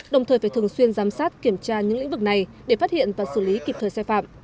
đồng thời phải thường xuyên giám sát kiểm tra những lĩnh vực này để phát hiện và xử lý kịp thời xe phạm